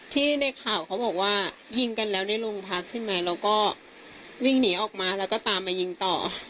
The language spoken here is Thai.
ที่ในข่าวเขาบอกว่ายิงกันแล้วในโรงพักใช่ไหมแล้วก็วิ่งหนีออกมาแล้วก็ตามมายิงต่อ